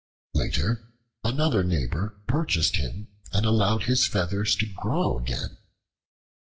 Later, another neighbor purchased him and allowed his feathers to grow again.